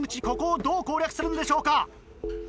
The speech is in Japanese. ここをどう攻略するんでしょうか。